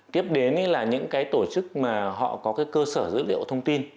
tiếp đến là những cái tổ chức mà họ có cái cơ sở dữ liệu thông tin